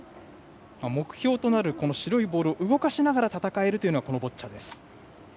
目標となる白いボールを動かしながら戦えるというのがボッチャです。